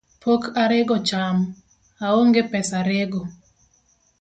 Pok arego cham, aonge pesa rego.